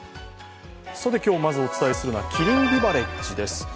今日まずお伝えするのはキリンビバレッジです。